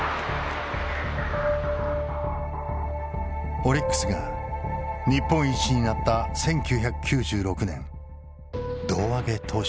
オリックスが日本一になった１９９６年胴上げ投手にもなった。